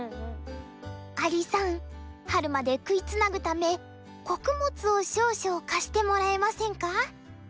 「アリさん春まで食いつなぐため穀物を少々貸してもらえませんか？